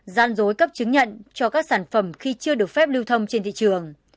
gian dối cấp chứng nhận cho các sản phẩm khi chưa được phép lưu thông trên thị trường